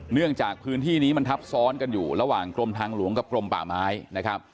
เนื่องจากพื้นที่นี้มันทับซ้อนกันอยู่ระหว่างกรมทางหลวงกับกรมป่าไม้นะครับ